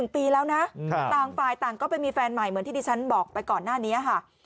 ปีแล้วนะต่างฝ่ายต่างก็ไปมีแฟนใหม่เหมือนที่ดิฉันบอกไปก่อนหน้านี้ค่ะ